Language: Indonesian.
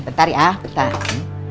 bentar ya bentar